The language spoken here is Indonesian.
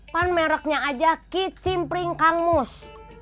kan mereknya aja kicimpring kang emus